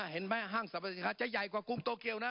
เห็นมั้ยห้างสรรพสินค้าจะใหญ่กว่ากลุ่มโตเกียวนะ